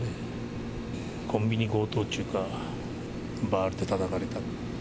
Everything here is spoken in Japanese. コンビニ強盗というか、バールでたたかれたって。